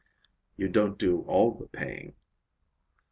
"You don't do all the paying."